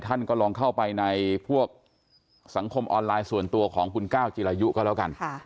ท่านก็ลองเข้าไปในพวกสังคมออนไลน์ส่วนตัวของคุณก้าวจิรายุก็แล้วกัน